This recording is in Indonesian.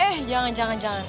eh jangan jangan jangan